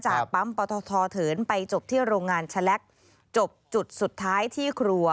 ปั๊มปทเถินไปจบที่โรงงานชะแล็กจบจุดสุดท้ายที่ครัว